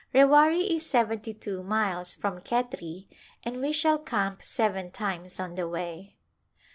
Rewari is seventy two miles from Khetri and we shall camp seven times on the way.